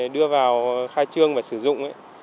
đưa vào khai trương và sử dụng